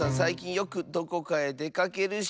よくどこかへでかけるし。